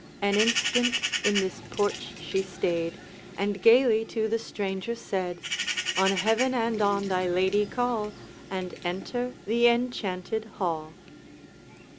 An instant in this porch she stayed, And gayly to the stranger said: 'On heaven and on thy lady call, And enter the enchanted hall!'